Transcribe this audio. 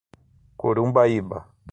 Corumbaíba